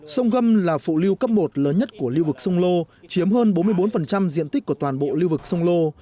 sông gâm là phụ lưu cấp một lớn nhất của lưu vực sông lô chiếm hơn bốn mươi bốn diện tích của toàn bộ lưu vực sông lô